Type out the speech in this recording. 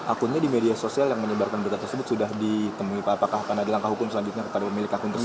akunnya di media sosial yang menyebarkan berita tersebut sudah ditemui pak apakah akan ada langkah hukum selanjutnya kepada pemilik akun tersebut